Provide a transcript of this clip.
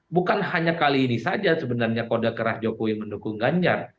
bukan hanya kali ini saja sebenarnya kode kerah jokowi mendukung ganjar